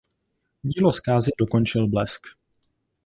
Dílo zkázy dokončil blesk.